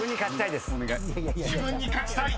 ［「自分に勝ちたい」！